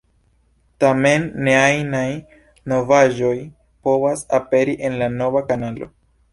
Tamen, ne ajnaj novaĵoj povas aperi en la nova kanalo.